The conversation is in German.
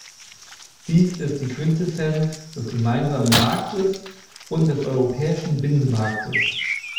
Dies ist die Quintessenz des gemeinsamen Marktes und des europäischen Binnenmarktes.